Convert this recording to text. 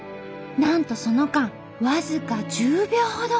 なんとその間僅か１０秒ほど。